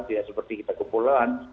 tidak seperti kita kepulauan